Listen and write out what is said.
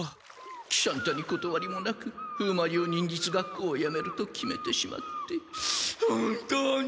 喜三太にことわりもなく風魔流忍術学校をやめると決めてしまって本当に。